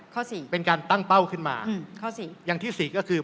สี่เป็นการตั้งเป้าขึ้นมาข้อสี่อย่างที่สี่ก็คือ